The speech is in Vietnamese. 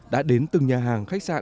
đã đến từng nhà hàng khách sạn